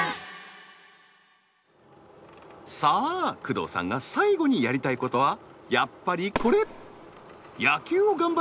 さあ工藤さんが最後にやりたいことはやっぱりこれ！